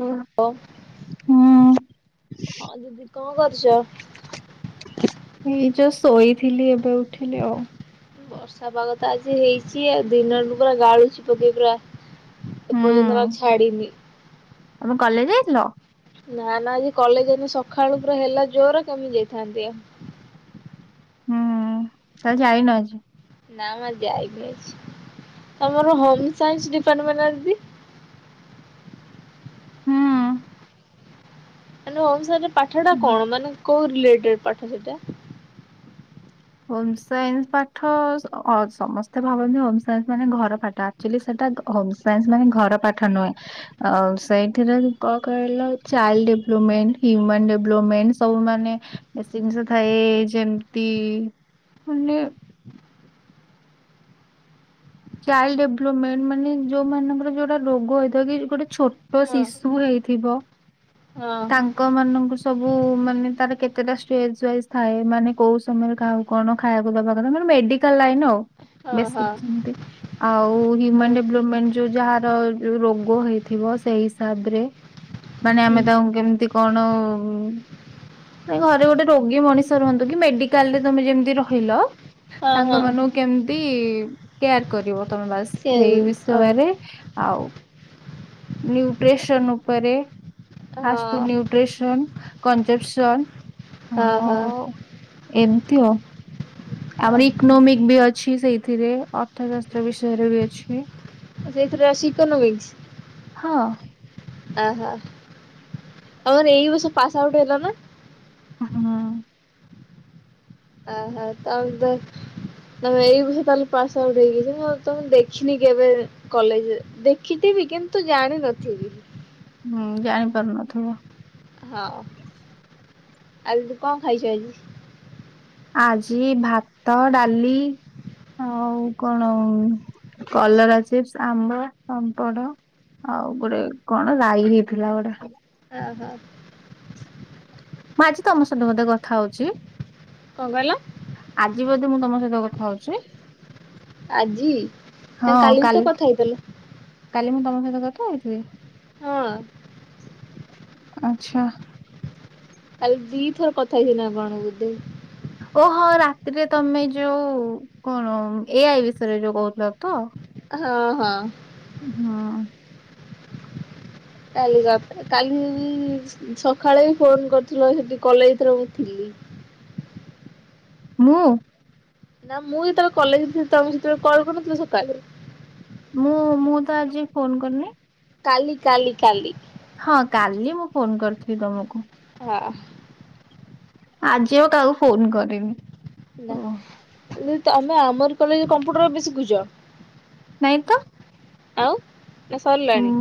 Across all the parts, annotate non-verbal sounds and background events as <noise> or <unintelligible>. ଓ <inaudible> ହୁଁ। ହଁ ଦିଦି କଣଁ କରୁଛ? ଏଇ ଯଷ୍ଟ ଶୋଇଥିଲି ଏବେ ଉଠିଲି ଆଉ। ବର୍ଷା ପାଗ ତ ଆଜି ହେଇଛି ଆଉ ଦିନଠୁ ପୁରା ଗାଳୁଛି ପକେଇ ପୁରା ଏ ପର୍ଯ୍ୟନ୍ତ ବା ହୁଁ ଛାଡ଼ିନି ତମେ କଲେଜ ଯାଇଥିଲ? ନା ନା ଆଜି କଲେଜ ଯାଇନି ସକାଳୁ ପୁରା ହେଲା ଜୋର କେମିତି ଯାଇଥାନ୍ତି ଆଉ ହୁଁ ତା ହେଲେ ଯାଇନ ଆଜି? ନା ମ ଆଉ ଯାଇନି ଆଜି, ତମର ହୋମ ସାଇନ୍ସ ଡିପାର୍ଟମେଣ୍ଟ ନା ଦିଦି? ହୁଁ। ମାନେ ହୋମସାଇନ୍ସ ରେ ପାଠ ଟା କଣ ମାନେ କୋଉ ରିଲେଟେଡ ପାଠ ସେଇଟା? ହୋମ ସାଇନ୍ସ ପାଠ ସ ଅ ସମସ୍ତେ ଭାବନ୍ତି ହୋମ ସାଇନ୍ସ ମାନେ ଘର ପାଠ ଆକ୍ଚୁଲି ସେଟା ହୋମସାଇନ୍ସ ମାନେ ଘର ପାଠ ନୁହେଁ ଅ ସେଇଥିରେ କଣ କହିଲ ଚାଇଲ୍ଡ ଡେଭଲପମେଣ୍ଟ ହ୍ୟୁମାନ ଡେଭଲପମେଣ୍ଟ ସବୁ ମାନେ ବେଶୀ ଜିନିଷ ଥାଏ ଯେମିତି ମାନେ ଚାଇଲ୍ଡ ଡେଭଲପମେଣ୍ଟ ମାନେ ଯୋଉ ମାନଙ୍କର ଯୋଉଟା ରୋଗ ହେଇଥିବ କି ଗୋଟେ ଛୋଟ ହଁ ଶିଶୁ ହେଇଥିବ ହଁ ତାଙ୍କ ମାନଙ୍କୁ ସବୁ ମାନେ ତାର କେତେଟା ଷ୍ଟେଜ ୱାଇଜ ଥାଏ ମାନେ କୋଉ ସମୟରେ କାହାକୁ କଣ ଖାଇବାକୁ ଦବା କଥା ମାନେ ମେଡିକାଲ ଲାଇନ ଆଉ ହଁ ବେଶିକ୍ ହଁ ସେମତି ଆଉ ହ୍ୟୁମାନ ହଁ ଡେଭଲପମେଣ୍ଟ ଯୋଉ ଯାହାର ର ରୋଗ ହେଇଥିବ ସେଇ ହିସାବରେ ମାନେ ହୁଁ ଆମେ ତାଙ୍କୁ କେମିତି କଣ ଘରେ ଗୋଟେ ରୋଗୀ ମଣିଷ ରୁହନ୍ତୁ କି ମେଡିକାଲ ରେ ତମେ ଯେମିତି ରହିଲ ହଁ ତାଙ୍କ ହଁ ମାନଙ୍କୁ କେମିତି କେୟାର କରିବ ତମେ ବାସ ସେ ସେଇ ଅ ବିଷୟରେ ଆଉ ନ୍ୟୁଟ୍ରିସନ ଉପରେ ଫାଷ୍ଟଫୁଡ ହଁ ନ୍ୟୁଟ୍ରିସନ, କଂଜେପସନ୍ ହଁ ହଉ ଏମତି ଆଉ ହଁ ଆମର ଇକୋନୋମିକ ବି ଅଛି ସେଇଥିରେ ଅର୍ଥଶାସ୍ତ୍ର ବିଷୟରେ ବି ଅଛି। ଓ ସେଇଥିରେ ଅଛି ଇକୋନୋମିକ୍ସ? ହଁ। ଓହୋ ତମର ଏଇ ବର୍ଷ ପାସ୍ ଆଉଟ୍ ହେଲା ନା? ହୁଁ ଅହ ତମ ଦ ତମେ ଏଇ ବର୍ଷ ତାହେଲେ ପାଶ ଆଉଟ ହେଇକି ଯେ ମୁଁ ଆଉ ତମକୁ ଦେଖିନି କେବେ। କଲେଜରେ, ଦେଖିଥିବି କିନ୍ତୁ ଜାଣିନଥିବି। ହୁଁ, ଜାଣି ପାରୁନଥିବ। ହଁ, ଆଜି ତୁ କଣ ଖାଇଛୁ ଆଜି? ଆଜି ଭାତ, ଡାଲି। ଆଉ କଣ କଲରା ଚିପ୍ସ, ଆମ୍ବ, ପାମ୍ପଡ। ଆଉ ଗୋଟେ କଣ ରାଇ ହେଇଥିଲା ଗୋଟେ। ଓ ହୋ। ମୁଁ ଆଜି ତମ ସହିତ ବୋଧେ କଥା ହଉଛି? କଣ କହିଲ? ଆଜି ବୋଧେ ମୁଁ ତମ ସହିତ କଥା ହଉଛି? ଆଜି? ହଁ ବି ତ କାଲି, କଥା ହେଇଥିଲ କାଲି ମୁଁ ତମ ସହିତ କଥା ହେଇଥିଲି? ହଁ ଆଚ୍ଛା। କାଲି ଦି ଥର କଥା ହେଇଛି ନା କଣ ବୋଧେ। ଓ ହଁ ରାତିରେ ତମେ ଯୋଉ, କଣ ଏଆଇ ବିଷୟରେ ଯୋଉ କହୁଥିଲ ତ? ହଁ ହଁ। ହୁଁ। କାଲି ରାତିରେ, କାଲି ବି ସକାଳେ ଫୋନ କରିଥିଲ ସେଠି କଲେଜରେ ମୁଁ ଥିଲି। ମୁଁ? ନା ମୁଁ ଯେତେବେଳେ କଲେଜ ଥିଲି, ତମେ ସେତେବେଳେ କରିନଥିଲ ସକାଳେ। ମୁଁ, ମୁଁ ତ ଆଜି ଫୋନ କରିନି। କାଲି କାଲି କାଲି। ହଁ, କାଲି ମୁଁ ଫୋନ କରିଥିଲି ତମକୁ। ହଁ। ଆଜିି ଆଉ କାହାକୁ ଫୋନ କରିନି। ନା। ଓ କିନ୍ତୃ ତମେ ଆମରି କଲେଜରେ କମ୍ପ୍ୟୁଟର ଏବେ ଶିଖୁଛ? ନାଇ ତ। ଆଉ ନା ସରିଲାଣି?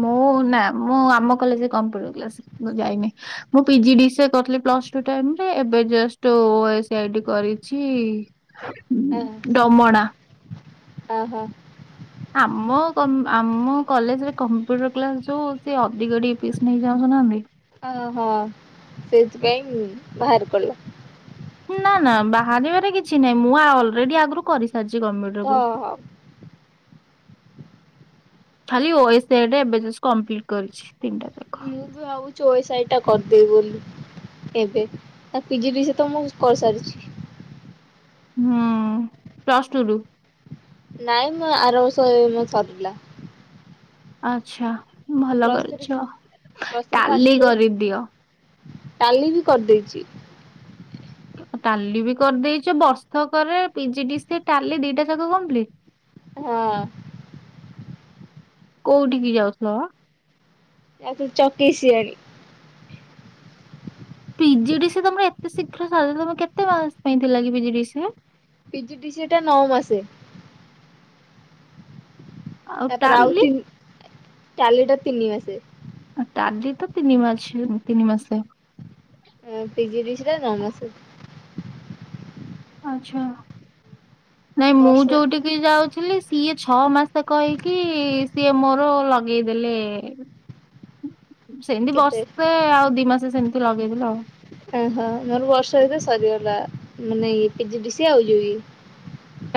ମୁଁ ନା ମୁଁ ଆମ କଲେଜରେ କମ୍ପ୍ୟୁଟର କ୍ଲାସ ଯାଇନି। ମୁଁ ପିଜି ଡିସିଏ କରିଥିଲି ପ୍ଲସ ଟୁ ଟାଇମରେ, ଏବେ ଜଷ୍ଟ ଓଏସି ଆଇଡି କରିଛି। ଡମଣା। ଓ ହୋ। ଆମ କ-ଆମ କଲେଜରେ କମ୍ପ୍ୟୁଟର କ୍ଲାସ ଯୋଉ ସେ ଅଧିକ ଟିକେ ପିସ୍ ନେଇ ଯାଉଛନା ନାହି? ଅ ହ, ସେଥିପାଇଁ ମୁଁ, ବାହାରି ପଡିଲା। ନା ନା ବାହାରିବାରେ କିଛି ନାହିଁ, ମୁଁ ଆ-ଅଲରେଡି ଆଗରୁ କରିସାରିଛି ଗମେଟରେ ହଁ କୋର୍ଷ। <inaudible> ହଁ। ଖାଲି ଓଏସ ଏଡେ ଏବେ ଜଷ୍ଟ୍ କପ୍ଲି୍ଟ୍ କରିଛି, ତିନିଟା ଯାକ। ମୁଁ ବି ଭାବୁଛିୁ ଓଏସାହି ଟା କରିଦେଇବି ବୋଲି। ଏବେ। ପିଜି ଡିସିଏ ତ ମୁଁ କରିସାରିଛି। ହୁଁ। ପ୍ଲ୍ ଷ୍ଟୂ ରୁ। ନାଇଁ ମ, ଆର ବର୍ଷ ମୋ ସରିଲା। ଆଛା ଭଲ ପ୍ଲସ୍ ଥ୍ରୀ କରିଛ। Plus three first Tally year କରିଦିଅ। ଟାଲି ବି କରିଦେଇଛି। ଟାଲି ବି କରିଦେଇଛ, ବର୍ଷକରେ ପିଜିଡିସିଏ, ଟାଲି ଦି ଟା ଜାଗ କମ୍ପଲିଟ୍? ହଁ। କୋଉଠିକି ଯାଉଥିଲ? ଯାଉଥିଲି ଚକି ସିଆଳି। ପିଜିଡି ସି ତମର ଏତେ ଶୀଘ୍ର ସାରି ଦବ ତମ କେତେ ମାସ ପାଇଁ ଥିଲା କି ପିଜିଡି ସି। ପିଜିଡିସି ଏଟା ନଅ ମାସେ। ତାପରେ ଆଉ ତିନି ଟାଲି ଟା ତିନି ମାସେ। ଟାଲି ତ ତିନି ମାସେ ତିନି ମାସେ ପାଇଁ। ହଁ ପି ଜି ଡି ସି ଟା ନଅ ମାସେ। ଆଚ୍ଛା, ନାଇଁ ମୁଁ ବର୍ଷେ ଯୋଉଠିକି ଯୋଉଠି ଯାଉଥିଲି ସିଏ ଛଅ ମାସ କହିକି ସିଏ ମୋର ଲଗେଇଦେଲେ। ସେମିତି କେତେ ବସ୍ତେ ଆଉ ଦି ମାସେ ସେମିତି ଲଗେଇଦେଲେ ଆଉ। ଓହୋ ମୋର ବର୍ଷେ ଭିତରେ ସରିଗଲା ମାନେ ପଜିଡ଼ିସି ଆଉ ଯୋଉ ଇଏ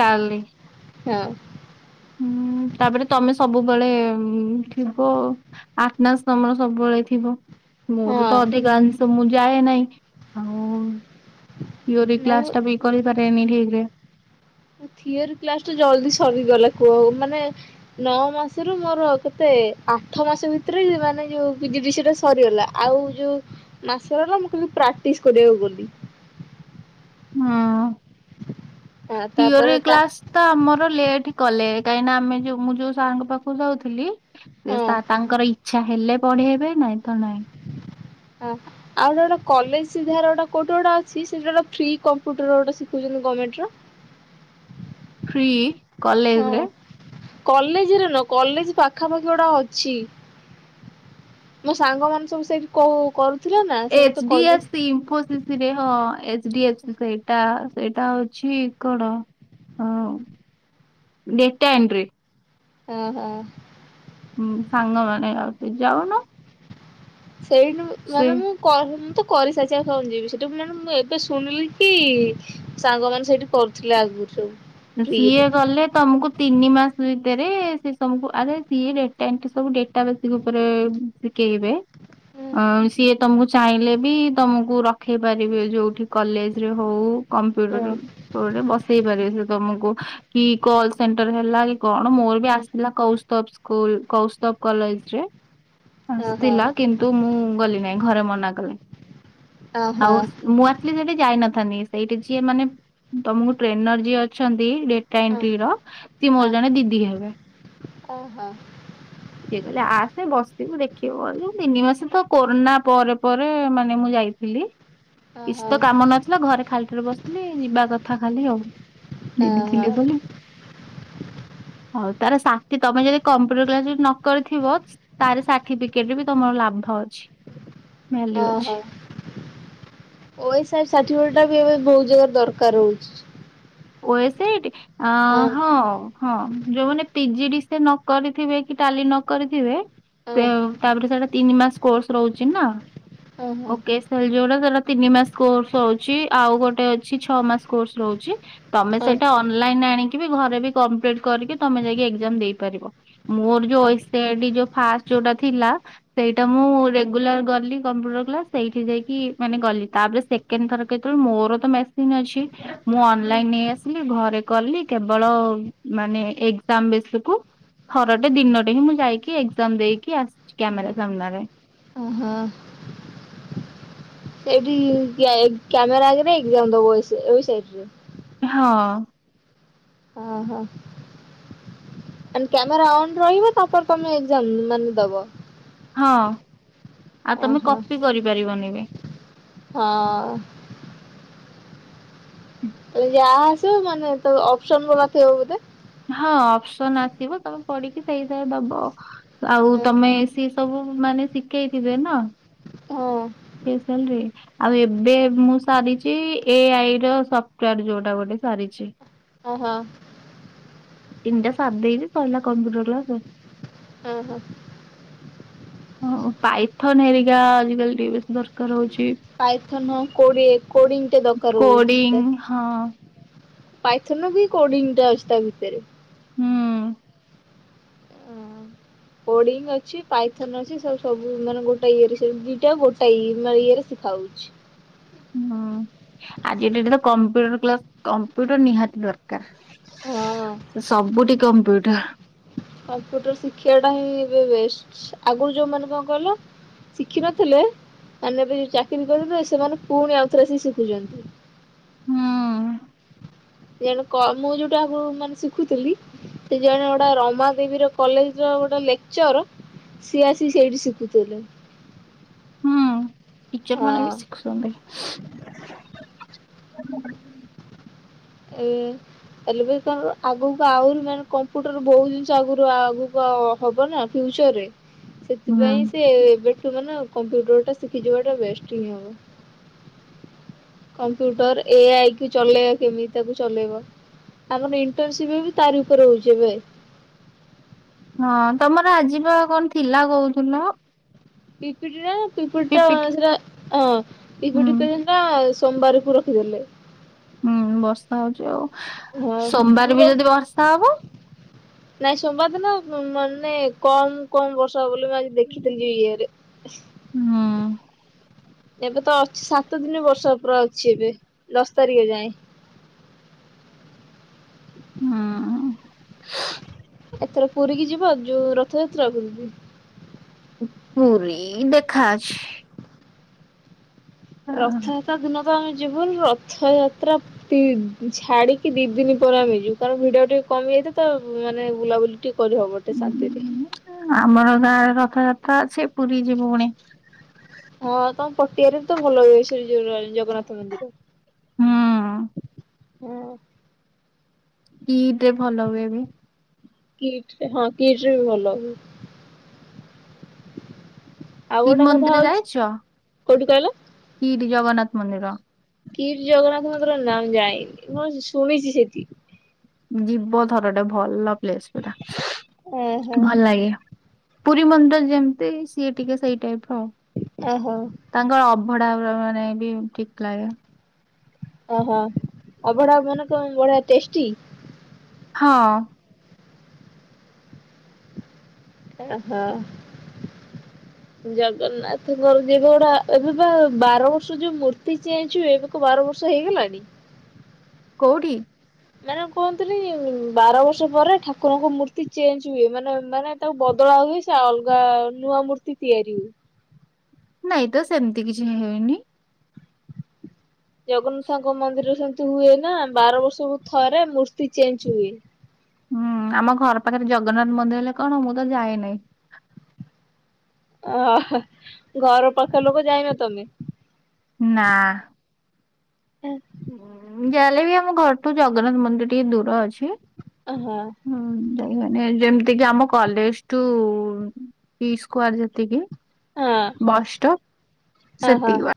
ଟାଲି। ହଁ। ହୁଁ ତାପରେ ତମେ ସବୁବେଳେ ଥିବ। ଆଠନାସ ତମର ସବୁବେଳେ ଥିବ। ମୋର ହଁ ତ ଅଧିକାଂଷ ମୁଁ ଯାଏ ନାହିଁ ଆଉ। ଥିଓରୀ ନାଇଁ କ୍ଲାସ ଟା ବି କରିପାରେନି ଠିକ ରେ। ଥିଓରି କ୍ଲାସ ଟା ଜଲଦି ସରିଗଲା କୁହ ମାନେ ନଅ ମାସରୁ ମୋର କେତେ ଆଠ ମାସେ ଭିତରେ ମାନେ ଯୋଉ ପି ଜି ଡିସି ଟା ସରିଗଲା। ଆଉ ଯୋଉଁ ମାସରହିଲା ମୁଁ ଖାଲି ପ୍ରାକ୍ଟିସ୍ କରିବାକୁ ଗଲି। ହଁ ହଁ ତାପରେ ଥିଓରି ତା କ୍ଲାସ ତ ଆମର ଲେଟ୍ କଲେ କାହିଁକିନା ଆମେ ଯଉ ମୁଁ ଯୋଉ ସାର୍ ପାଖକୁ ଯାଉଥିଲି ଏ ହଁ ତା ତାଙ୍କର ଇଚ୍ଛା ହେଲେ ପଢେଇବେ ନାଇଁ ତ ନାଇଁ। ହଁ। ଆଉ ଯୋଉଟା କଲେଜ ସିଧାରେ ଗୋଟେ କୋଉଠି ଗୋଟେ ଅଛି ସେ ଟୋଟାଲ ଫ୍ରି କମ୍ପ୍ୟୁଟର ଗୋଟେ ସିଖଉଛନ୍ତି ଗଭ୍ମେଣ୍ଟ ର। ଫ୍ରି କଲେଜ ହଁ ରେ? କଲେଜରେ ନୁହଁ କଲେଜ ପାଖାପାଖି ଗୋଟା ଅଛି। ମୋ ସାଙ୍ଗ ମାନେ ସବୁ ସେଇଠି କହୁ କରୁ H D F C, Infosys ରେ ହଁ ଏଚ ଡି ଏଫ ସି ସେଇଟା ସେଇଟା ହଉଛି କଣ ହଁ <unintelligible> ହଁ ହଁ। ହୁଁ ସାଙ୍ଗମାନେ ଯାଉଛନ୍ତି ଯାଉନୁ। ସେଇଠି ମାନେ ମୁଁ କହି ମୁଁ ତ କରିସାରିଛି ଆଉ କଣ ଯିବି ସେଠି ମାନେ ମୁଁ ଏବେ ଶୁଣିଲି କି ସାଙ୍ଗମାନେ ସେଇଠି କରୁଥିଲେ ଆଗରୁ ସବୁ। ଫ୍ରିରେ। ସିଏ ଗଲେ ତମକୁ ତିନି ମାସ ଭିତରେ ସେ ତମକୁ ଆରେ ସିଏ ଡେଟାଏନ୍ଟ୍ରି ସବୁ ଡେଟାବେସିକ ଉପରେ ଶିଖେଇବେ ହଁ ଅଁ ସିଏ ତମକୁ ଚାହିଁଲେ ବି ତମକୁ ରଖେଇ ପାରିବେ ଯୋଉଠି କଲେଜ ରେ ହଉ କମ୍ପ୍ୟୁଟରରେ କୋଉଠି ବସେଇ ପାରିବେ ସେ ତମକୁ କି କଲ ସେଣ୍ଟର ହେଲା କି କଣ ମୋର ବି ହୁଁ ଆସିଥିଲା କୌସ୍ତୁଭ ସ୍କୁଲ କୌସ୍ତୁଭ କଲେଜ ରେ? ଓହୋ ଆସିଥିଲା କିନ୍ତୁ ମୁଁ ଗଲି ନାଇଁ ଘରେ ମନା କଲେ। ଆଉ ଓହୋ ଗୋଟ ମୁଁ ଆ ସେଠି ଯାଇ ନଥାନ୍ତି ସେଇଠି ଯିଏ ମାନେ ତମକୁ ଟ୍ରେନର ଯିଏ ଅ ଛନ୍ତି ଡେଟା ଓହୋ ଏନ୍ଟ୍ରିର ସେ ଓହୋ। ମୋର ଜଣେ ଦିଦି ହେବେ। ସେ କହିଲେ ଆସେ ବସିଥିବୁ ଦେଖିବୁ ବୋଲି ତିନି ମାସ ତ କୋରୋନା ପରେ ପରେ ମାନେ ମୁଁ ଯାଇ ଥିଲି କିଛି ଓହୋ ତ କାମ ନଥିଲା ଘରେ ଖାଲିଟାରେ ବସିଥିଲି ଯିବା କଥା ଖାଲି ଆଉ। ଦିଦି ଓହୋ ଥିଲେ ବୋଲି ହଉ ତାର ସାର୍ଟି ତମେ ଯଦି କମ୍ପ୍ୟୁଟର କ୍ଲାସ ବି ନ କରିଥିବ ତାର ସାର୍ଟିଫିକେଟ ବି ତମର ଲାଭ ଅଛି ଭାଲ୍ୟୁ ଅଛି। ଓ ଏସ ଆର ସାର୍ଟିଫିକେଟ ଟା ବି ଏବେ ବହୁତ ଜାଗାରେ ଦରକାର ହଉଛି। ଓ ଏସ ଏ ଟି ଆଁ ହଁ ହଁ ଯୋଉମାନେ ପିଜି ଡି ସି ଏ ନ କରିଥିବେ କି ଟାଲି ନ କରିଥିବେ ହଁ ପେ ତାପରେ ସେଇଟା ତିନି ମାସ କୋର୍ସ ରହୁଛି ନା। ଓହୋ ଓ କେ ସି ଏଲ ଯୋଉଟା ସେଇଟା ତିନି ମାସ କୋର୍ସ ହଉଛି ଆଉ ଗୋଟେ ଅଛି ଛଅ ମାସ କୋର୍ସ ରହୁଛି। ତମେ ଓ ସେଇଟା ଅନଲାଇନ ଆଣିକି ବି ଘରେ ବି କମ୍ପ୍ଲିଟ କରିକି ତମେ ଯାଇକି ଏକ୍ଜାମ ଦେଇପାରିବ। ମୋର ଯୋଉ O SC R D first ଯୋଉଟା ଥିଲା। ସେଇଟା ମୁଁ ରେଗୁଲାର ଗଲି କମ୍ପ୍ୟୁଟର କ୍ଲାସ ସେଇଠି ଯାଇକି ମାନେ ଗଲି ତାପରେ ସେ କେଣ୍ଡ ଥର କେତେବେଳେ ମୋର ତ ମେସିନ୍ ଅଛି ମୁଁ ଅନ୍ ନଲାଇନ ନେଇ ଆସିଲି ଘରେ କଲି କେବଳ ମାନେ ଏକ୍ଜାମ ବେସକୁ ଥରଟେ ଦିନଟେ ହିଁ ମୁଁ ଯାଇକି ଏକ୍ଜାମ ଦେଇକି ଆସିଛି କ୍ୟାମେରା ସାମ୍ନାରେ। ଓହୋ। ସେଇଠି କ କ୍ୟାମେରା ଆଗରେ ଏକ୍ଜାମ ଦବ ୱେସ ୱେସାଇଟ୍ ରେ। ହଁ। ଓହୋ। ମାନେ କ୍ୟାମେରା ଅନ ରହିବ ତାପରେ ତମେ ଏକ୍ଜାମ ମାନେ ଦବ। ହଁ ଆଉ ତମେ ଓହୋ କପି କରିପାରିବନିବି। ହଁ। ଉଁ ଯାହା ଆସିବ ମାନେ ତ ଅପ୍ସନ ବାଲା ଥିବ ବୋଧେ। ହଁ ଅପ୍ସନ ଆସିବ ତମେ ପଢିକି ସେଇ ହିସାବରେ ଦବ। ଆଉ ହଁ ତମେ ସିଏ ସବୁ ମାନେ ଶିଖେଇଥିବେ ନା। ସ୍ପେଶାଲରେ। ଆଉ ଏବେ ମୁଁ ସାରିଛି ଏଆଇ ର ସଫ୍ଟାର ଯୋଉଟା ଗୋଟେ ସାରିଛି। ଓ ହାଁ। ତିନିଟା ସାରି ଦେଇଛି ସରିଲା କମ୍ପୁଟର ହଁ ହଁ। ହଁ ପାଇଥନ ହେରିକା ଆଜିକାଲି ଟିକେ ବେଶୀ ଦରକାର ହଉଛି। ପାଇଥାନ କୋଡି କୋଡିଙ୍ଗ ତେ ଦରକାର ହଉଛି। କୋଡିଂ ଦ ହଁ। ପାଇଥନ ବି କୋଡିଂ ଟା ଅଛି ତା ଭିତରେ। ହୁଁ। କୋଡିଙ୍ଗ ଅଛି ପାଇଥନ ଅଛି ସବୁ ସବୁ ମାନେ ଗୋଟେ ଇଏରେ ଦିଟା ଗୋଟା ଇ ଇଏ ରେ ଶିଖା ହଉଛି। ହୁଁ ଆଜି ଡେଟ ତ କମ୍ପ୍ୟୁଟର କ୍ଲାସ କମ୍ପ୍ୟୁଟର ନିହାତି ହଁ ଦରକାର। ସବୁଠି କମ୍ପ୍ୟୁଟର। କମ୍ପ୍ୟୁଟର ଶିଖିବା ଟା ହିଁ ଏବେ ବେଷ୍ଟ ଆଗରୁ ଯୋଉ ମାନେ କଣ କହିଲ ଶିଖିିନଥିଲେ ମାନେ ଏବେ ଚାକିରି କରୁଥିଲେ ସେମାନେ ପୁଣି ଆଉଥରେ ଆସି ଶିଖୁଛନ୍ତି। ହୁଁ। ଯେଣେ କ ମୁଁ ଯୋଉଟା ଆଗରୁ ମାନେ ଶିଖୁଥିଲି। ସେ ଜଣେ ଗୋଟେ ରମାଦେବୀ ର କଲେଜ ର ଗୋଟେ ଲେକ୍ଚର। ସିଏ ଆସି ସେଇଠି ଶିଖୁଥିଲେ। ହୁଁ ଟିଚର ହଁ ମାନେ ବି ଶିଖୁଛନ୍ତି। ଏ <inaudible> ଆଗକୁ ଆହୁରି ମାନେ କମ୍ପ୍ୟୁଟର ବହୁତ ଜିନିଷ ଆଗରୁ ଆଗକୁ ଅ ହବ ନା ଫ୍ୟୁଚର୍ ରେ ହୁଁ ସେଥିପାଇଁ ସେ ଏବେଠୁ ମାନେ କମ୍ପ୍ୟୁଟର ଟା ଶିଖିଯିବା ଟା ବେଷ୍ଟ୍ ହିଁ ହବ। କମ୍ପ୍ୟୁଟର ଏ ଆଇ କି ଚଲେଇଆ କେମିତି ତାକୁ ଚଲେଇବ? ଆମର ଇଣ୍ଟର୍ନସିପ୍ ବି ତାରି ଉପରେ ହଉଛି ଏବେ। ହଁ ତମର ଆଜି ପା କଣ ଥିଲା କହୁଥୁଲୁ? ପିପିଟିରେ, ପିପୁଡି ଟା ପିପିଟି ସେଟା ଅଁ ହୁଁ ପିପିଡ଼ି ତ ସେଦିନ ସୋମବାରକୁ ରଖିଦେଲେ। ହୁଁ ବର୍ଷା ହଉଛି ଆଉ, ହଁ ସୋମବାର ଦୂର ବି ଯଦି ବର୍ଷା ହବ? ନାଇଁ ସୋମବାର ଦିନ ମାନେ କମ କମ ବର୍ଷା ହବ ବୋଲି ମୁଁ ଆଜି ଦେଖିଥିଲି ଇଏରେ ହୁଁ ଏବେ ତ ଅଛି ସାତ ଦିନ ବର୍ଷା ପୁରା ଅଛି ଏବେ ଦଶ ତାରିଖ ଯାଏଁ। ହଁ ଶୁ ଉ ଏଥର ପୁରୀକି ଯିବ ଯୋଉ ରଥଯାତ୍ରା କୁ ବି ପୁରୀ ଦେଖା ଅଛି। ରଥଯାତ୍ରା ଦିନ ତ ଆମେ ଯିବୁନି ରଥଯାତ୍ରା ଛାଡ଼ିକି ଦି ଦିନ ପରେ ଆମେ ଯିବୁ, କାରଣ ଭିଡ଼ ଟିକେ କମିଯାଇଥିବ ତ ମାନେ ବୁଲାବୁଲି ଟିକେ କରିହବ ଟିକେ ଶାନ୍ତିରେ। ହୁଁ ଆମର ଗାଁରେ ରଥଯାତ୍ରା ଅଛି, ପୁରୀ ଯିବୁ ପୁଣି। ହଁ ତମ ପଟିଆରେ ବି ତ ଭଲ ହୁଏ, ଶ୍ରୀଜିଉ ର ଜଗନ୍ନାଥ ମନ୍ଦିର। ହିଁ ହଁ କିଟ୍ ରେ ଭଲ ହୁଏ ବି। କିଟ୍ ରେ ହଁ କିଟ୍ ରେ ବି ଭଲ ହୁଏ। ଆଉ କିଟ୍ ଗୋଟେ କଥା ମନ୍ଦିର ହଉଛି ଯାଇଛ? କୋଉଠି କହିଲ କିଟ୍ ଜଗନ୍ନାଥ ମନ୍ଦିର। କିଟ୍ ଜଗନ୍ନାଥ ମନ୍ଦିର ନା ମୁଁ ଯାଇନି। ହଁ ଶୁଣିଛି ସେଠି। ଯିବ ଥର ଟେ ଭଲ ପ୍ଲେସ୍ ପୁରା, ଓହୋ। ଭଲ ଲାଗେ। ପୁରୀ ମନ୍ଦିର ଯେମିତି ସିଏ ଟିକେ ସେଇ ଟାଇପ୍ ର ଆଉ। ଓହୋ ତାଙ୍କ ଅଭଡ଼ା ପୁରା ମାନେ ବି ଠିକ୍ ଲାଗେ। ଓହୋ ଅଭଡ଼ା ମାନେ କଣ ବଢ଼ିଆ ଟେଷ୍ଟି? ହଁ ଅ ହ ହ ଜଗନ୍ନାଥଙ୍କର ଯେବେ ଗୁଡ଼ା ଏବେ ବା ବାର ବର୍ଷ ଯୋଉ ମୂର୍ତ୍ତି ଚେଞ୍ଜ ହୁଏ କଁ ବାର ବର୍ଷ ହେଇଗଲାଣି? କୋଉଠି? ମାନେ କୁହଥିଲି ବାର ବର୍ଷ ପରେ ଠାକୁରଙ୍କ ମୂର୍ତ୍ତି ଚେଞ୍ଜ ହୁଏ, ମାନେ ମାନେ ତାକୁ ବଦଳା ହୁଏ ସେ ଅଲଗା ନୂଆ ମୂର୍ତ୍ତି ତିଆରି ହୁଏ। ନାଇଁ ତ ସେମ୍ତି କିଛି ହେଇନି। ଜଗନ୍ନାଥଙ୍କ ମନ୍ଦିରରେ ସେମିତି ହୁଏ ନା ବାର ବର୍ଷକୁ ଥରେ ମୂର୍ତ୍ତି ଚେଞ୍ଜ ହୁଏ। ହୁଁ ଆମ ଘର ପାଖରେ ଜଗନ୍ନାଥ ମନ୍ଦିର ହେଲେ କଣ ମୁଁ ତ ଯାଏ ନାହିଁ। ଓ ଘର ପାଖ ଲୋକ ଯାଇନ ତମେ? ନା। ହୁଁ। ଯାଲେ ବି ଆମ ଘରଠୁ ଜଗନ୍ନାଥ ମନ୍ଦିର ଟିକେ ଦୂର ଅଛି ଓହୋ। <unintelligible> ଯେମିତି କି ଆମ କଲେଜୁ ଠୁ ଜି ସ୍କ୍ୱେୟାର୍ ଯେତିକି ହଁ ବଷ୍ଟ ହଁ। ସତ୍ୟବା।